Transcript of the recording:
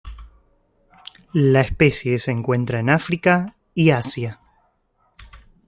La especie se encuentra en África y Asia.